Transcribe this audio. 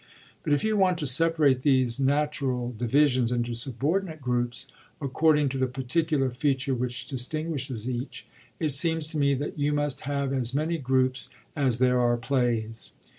But if you want to sexMirate these natural divisions into subordinate groups, according to the jMirticular feature which distinguishes each, it seems to me that you must have as many groups as there are plays.